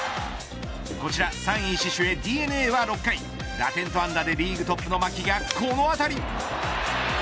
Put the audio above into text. こちら３位死守へＤｅＮＡは６回打点と安打でリーグトップの牧がこの当たり。